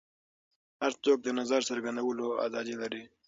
هر څوک د نظر څرګندولو ازادي لري.